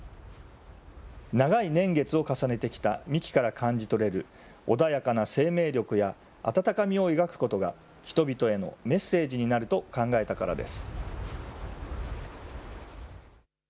長い年月を重ねてきた幹から感じ取れる穏やかな生命力や、温かみを描くことが人々へのメッセージになると考えたからです。